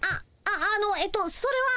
ああのえっとそれは。